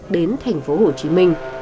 đến thành phố hồ chí minh